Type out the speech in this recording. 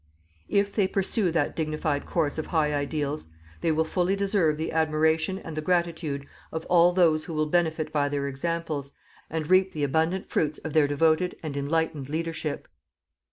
If they pursue that dignified course of high ideals they will fully deserve the admiration and the gratitude of all those who will benefit by their examples, and reap the abundant fruits of their devoted and enlightened leadership.